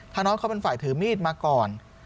ถ้าน้องเขาเป็นฝ่ายถือมีดมาก่อน